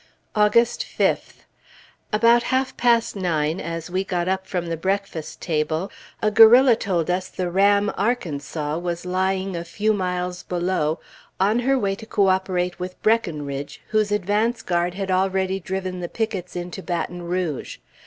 August 5th. About half past nine, as we got up from the breakfast table, a guerrilla told us the ram Arkansas was lying a few miles below, on her way to coöperate with Breckinridge, whose advance guard had already driven the pickets into Baton Rouge.